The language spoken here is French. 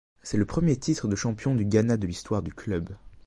C'est le premier titre de champion du Ghana de l'histoire du club.